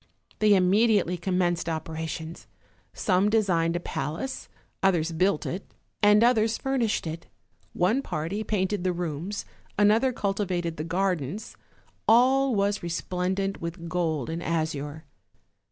They immediately commenced operations; some designed a palace, others built it, and others furnished it; one party painted the rooms, another cultivated the gardens; all was resplendent with gold and azure.